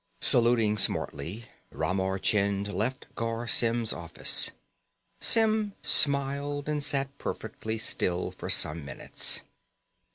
Saluting smartly, Ramar Chind left Garr Symm's office. Symm smiled and sat perfectly still for some minutes.